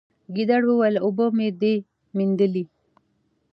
ګیدړ وویل اوبه مي دي میندلي